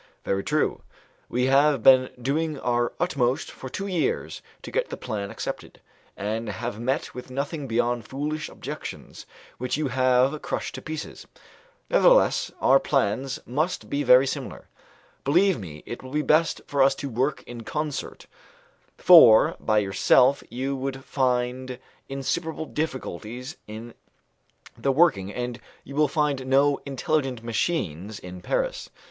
"Very true. We have been doing our utmost for two years to get the plan accepted, and have met with nothing beyond foolish objections which you have crushed to pieces. Nevertheless, our plans must be very similar. Believe me it will be best for us to work in concert, for by yourself you would find insuperable difficulties in the working, and you will find no 'intelligent machines' in Paris.